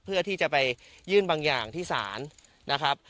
เพื่อที่จะไปยื่นบางอย่างที่ศาลนะครับ